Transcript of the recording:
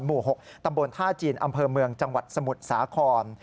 หมู่๖ตำบลท่าจีนอำเภอเมืองจังหวัดสมุทรสาคร